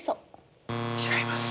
違います。